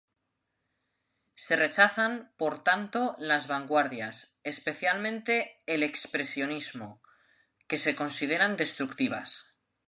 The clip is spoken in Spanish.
Se rechazan, por tanto, las vanguardias, especialmente el expresionismo, que se consideran destructivas.